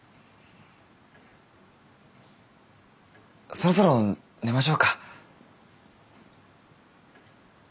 そろそろ寝ましょうか。